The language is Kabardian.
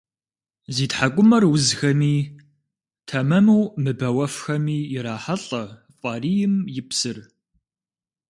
Зи тхьэкӏумэр узхэми, тэмэму мыбэуэфхэми ирахьэлӏэ фӏарийм и псыр.